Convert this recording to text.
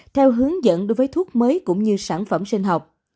theo hướng dẫn đối với thuốc mới cũng như sản phẩm sinh học